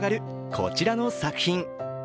こちらの作品。